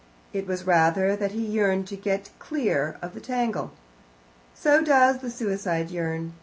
It was rather that he yearned to get clear of the tangle. So does the suicide yearn.